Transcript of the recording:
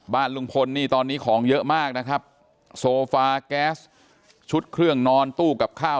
บ้านลุงพลนี่ตอนนี้ของเยอะมากนะครับโซฟาแก๊สชุดเครื่องนอนตู้กับข้าว